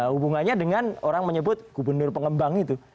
hubungannya dengan orang menyebut gubernur pengembang itu